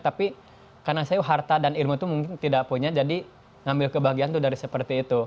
tapi karena saya harta dan ilmu itu mungkin tidak punya jadi ngambil kebahagiaan tuh dari seperti itu